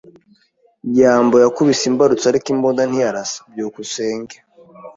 byambo yakubise imbarutso, ariko imbunda ntiyarasa. byukusenge